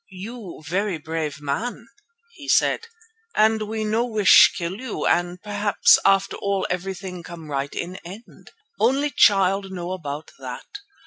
"You very brave man," he said, "and we no wish kill you and p'raps after all everything come right in end. Only Child know about that.